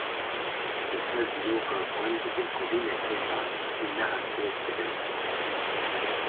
Li ser dîroka gund lêkolîneke zanistî nehatiye kirin.